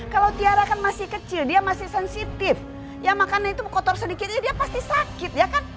kalau tiara kan masih kecil dia masih sensitif yang makanan itu kotor sedikitnya dia pasti sakit ya kan